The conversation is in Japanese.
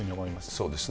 そうですね。